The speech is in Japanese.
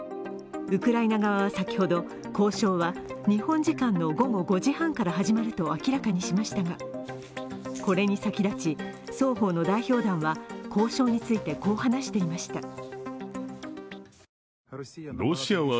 ウクライナ側は先ほど交渉は日本時間の午後５時半から始まると明らかにしましたが、これに先立ち、双方の代表団は交渉についてこう話していました。